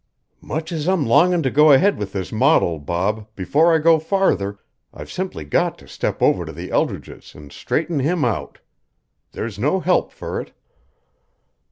"Much as I'm longin' to go ahead with this model, Bob, before I go farther I've simply got to step over to the Eldridges an' straighten him out. There's no help fur it."